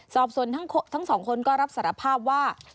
สอบส่วนทั้งสองคนก็รับสารภาพว่า